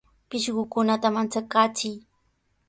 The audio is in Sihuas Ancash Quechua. Pishqukunata manchakaachiy.